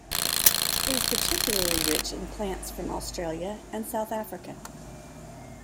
It is particularly rich in plants from Australia and South Africa.